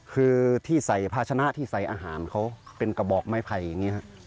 คือที่ใส่ภาชนะที่ใส่อาหารเขาเป็นกระบอกไม้ไผ่อย่างนี้ครับ